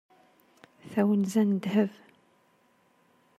Tawenza n ddheb.